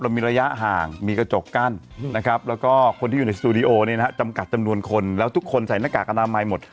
มีระยะห่างมีกระจกกั้นนะครับแล้วก็คนที่อยู่ในสตูดิโอเนี่ยนะฮะจำกัดจำนวนคนแล้วทุกคนใส่หน้ากากอนามัยหมด